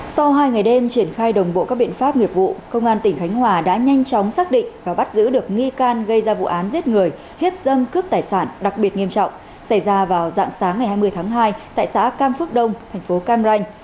sau hai ngày đêm triển khai đồng bộ các biện pháp nghiệp vụ công an tỉnh khánh hòa đã nhanh chóng xác định và bắt giữ được nghi can gây ra vụ án giết người hiếp dâm cướp tài sản đặc biệt nghiêm trọng xảy ra vào dạng sáng ngày hai mươi tháng hai tại xã cam phước đông thành phố cam ranh